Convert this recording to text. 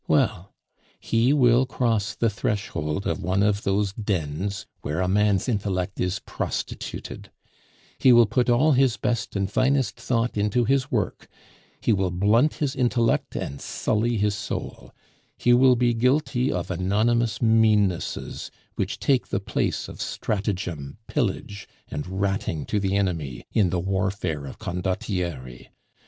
Well, he will cross the threshold of one of those dens where a man's intellect is prostituted; he will put all his best and finest thought into his work; he will blunt his intellect and sully his soul; he will be guilty of anonymous meannesses which take the place of stratagem, pillage, and ratting to the enemy in the warfare of condottieri.